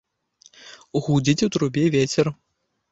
Гудзіць у трубе вецер.